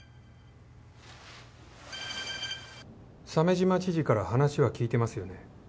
鮫島知事から話は聞いてますよね？